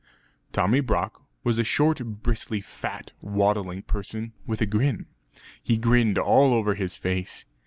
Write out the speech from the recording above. Tommy Brock was a short bristly fat waddling person with a grin; he grinned all over his face.